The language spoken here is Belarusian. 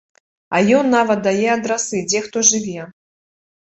А ён нават дае адрасы, дзе хто жыве.